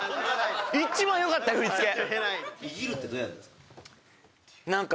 一番良かったよ振り付け。